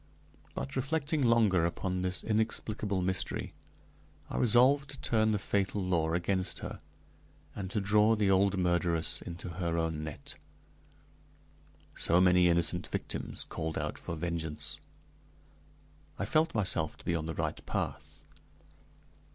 But reflecting longer upon this inexplicable mystery, I resolved to turn the fatal law against her, and to draw the old murderess into her own net. So many innocent victims called out for vengeance! I felt myself to be on the right path.